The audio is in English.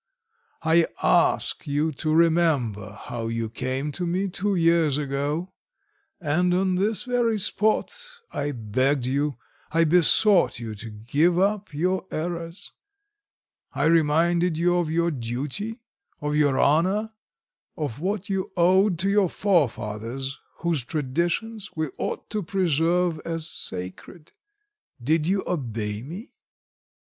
I ask you to remember how you came to me two years ago, and on this very spot I begged you, I besought you to give up your errors; I reminded you of your duty, of your honour, of what you owed to your forefathers whose traditions we ought to preserve as sacred. Did you obey me?